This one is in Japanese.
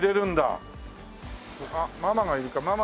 あっママがいるかママ。